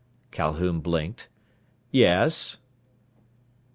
Calhoun blinked. "Yes?"